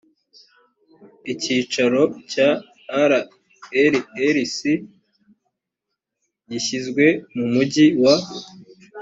icyicaro cya rlrc gishyizwe mu mujyi wa